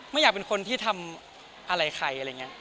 ไม่อยากเป็นคนที่ทำอะไรใคร